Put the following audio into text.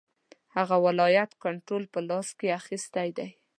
هغه ولایت کنټرول په خپل لاس کې اخیستی دی.